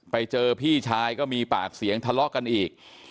ไปเจอพี่ชายก็มีปากเสียงทะเลาะกันอีก